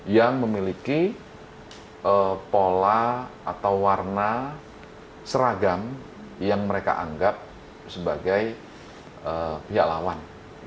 yang memiliki pola atau warna seragam yang mereka anggap sebagai pihak lawan